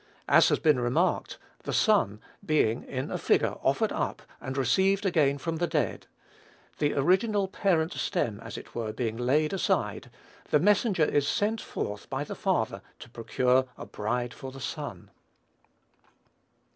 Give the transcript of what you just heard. As has been remarked, the son being, in a figure, offered up, and received again from the dead; the original parent stem, as it were, being laid aside, the messenger is sent forth by the father to procure a bride for the son.